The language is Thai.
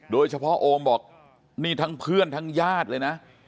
โอมบอกนี่ทั้งเพื่อนทั้งญาติเลยนะ